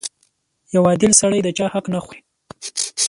• یو عادل سړی د چا حق نه خوري.